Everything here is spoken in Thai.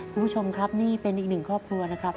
คุณผู้ชมครับนี่เป็นอีกหนึ่งครอบครัวนะครับ